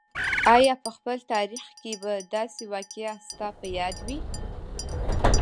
آیا په خپل تاریخ کې به داسې واقعه ستا په یاد وي.